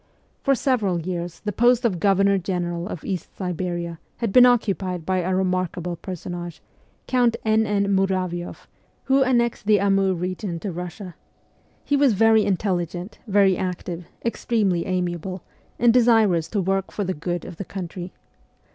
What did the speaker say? For several years the post of Governor General of East Siberia had been occupied by a remarkable personage, Count N. N. Muravioff, who annexed the Amur region to Russia. He was very intelligent, very active, extremely amiable, and desirous to work for the good of the country.